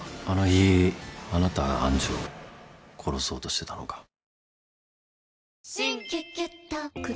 「あの日あなたが愛珠を殺そうとしてたのか」